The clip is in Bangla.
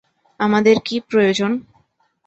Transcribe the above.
আমাদের কী প্রয়োজন?